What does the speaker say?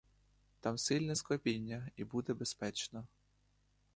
Там сильне склепіння, і буде безпечно.